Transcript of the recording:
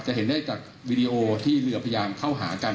เห็นได้จากวีดีโอที่เรือพยายามเข้าหากัน